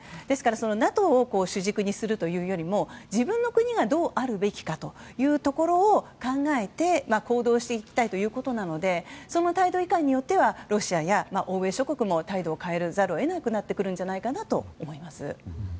ですから、ＮＡＴＯを主軸にするというよりも自分の国がどうあるべきかというところを考えて行動していきたいということなのでその態度いかんによってはロシアや欧米諸国も態度を変えざるを得なくなってくるんじゃないかと思います。